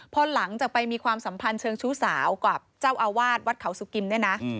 พอหลังจากไปมีความสัมพันธ์เชิงชู้สาวกับเจ้าอาวาสวัดเขาสุกิมเนี่ยนะ